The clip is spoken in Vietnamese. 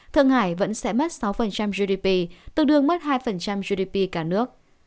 thượng hải vẫn sẽ mất sáu gdp tương đương mất hai gdp cả nước